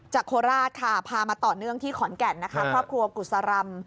โคราชค่ะพามาต่อเนื่องที่ขอนแก่นนะคะครอบครัวกุศรำ